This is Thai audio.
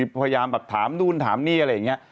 พยายามแบบถามนู่นถามนี่อะไรอย่างนี้